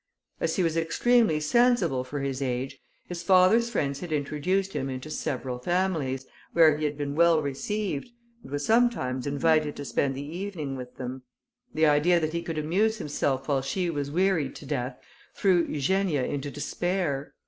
As he was extremely sensible for his age, his father's friends had introduced him into several families, where he had been well received, and was sometimes invited to spend the evening with them. The idea that he could amuse himself while she was wearied to death, threw Eugenia into despair.